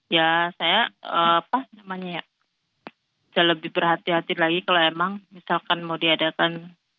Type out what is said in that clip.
ya saya pak namanya ya sudah lebih berhati hati lagi kalau emang misalkan mau diadakan